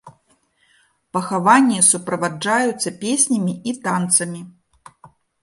Пахаванні суправаджаюцца песнямі і танцамі.